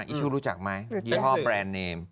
ช่วงรู้จักไหมยี่ห้อแบรนด์เนม